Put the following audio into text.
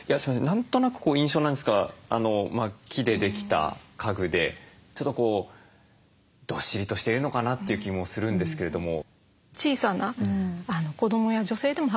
何となく印象なんですが木でできた家具でちょっとどっしりとしてるのかなという気もするんですけれども。